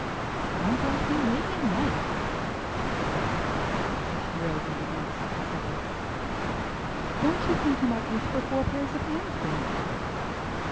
"Sounds like the Arabian Nights," said Mrs. White, as she rose and began to set the supper. "Don't you think you might wish for four pairs of hands for me?"